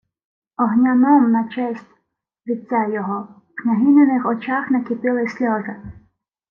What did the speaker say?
— Огняном, на честь... вітця його. В княгининих очах накипіли сльози.